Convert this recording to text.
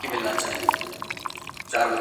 د څېړنې موضوعات بېلابېل دي.